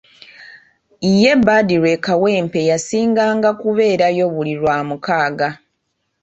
Ye Badru e Kawempe yasinganga kubeerayo buli lwamukaaga.